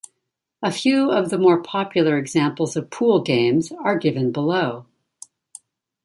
A few of the more popular examples of pool games are given below.